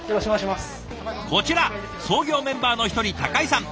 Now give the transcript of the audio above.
こちら創業メンバーの一人井さん。